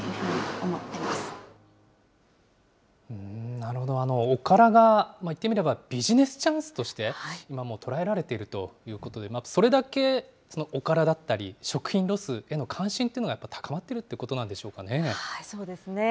なるほど、おからが言ってみれば、ビジネスチャンスとして捉えられているということで、それだけそのおからだったり、食品ロスへの関心っていうのが高まってるということなんでしょうそうですね。